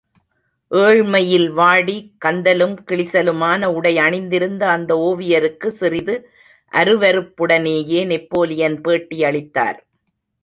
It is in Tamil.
ஏழ்மையில் வாடி, கந்தலும் கிழிசலுமான உடை அணிந்திருந்த அந்த ஒவியருக்கு சிறிது அருவருப்புடனேயே நெப்போலியன் பேட்டி அளித்தார்.